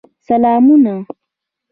سلامونه.